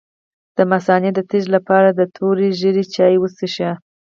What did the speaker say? د مثانې د تیږې لپاره د تورې ږیرې چای وڅښئ